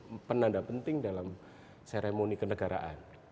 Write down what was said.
menjadi penanda penting dalam seremoni kenegaraan